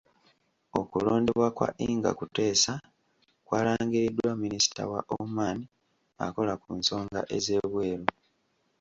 Okulondebwa kwa Ingah Kuteesa kwalangiriddwa Minisita wa Oman akola ku nsonga ez'ebweru.